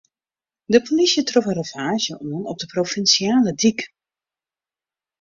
De polysje trof in ravaazje oan op de provinsjale dyk.